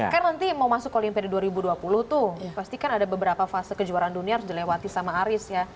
kan nanti mau masuk ke olimpiade dua ribu dua puluh tuh pasti kan ada beberapa fase kejuaraan dunia harus dilewati sama aris ya